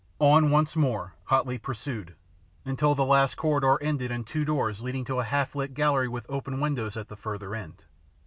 On once more, hotly pursued, until the last corridor ended in two doors leading into a half lit gallery with open windows at the further end.